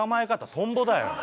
トンボだよ。